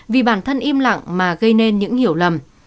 vì bản thân im lặng mà gây nên những hiểu lầm